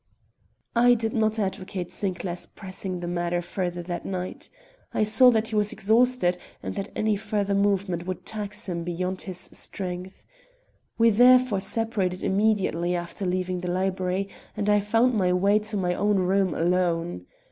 I did not advocate Sinclair's pressing the matter further that night. I saw that he was exhausted and that any further movement would tax him beyond his strength. We therefore separated immediately after leaving the library, and I found my way to my own room alone.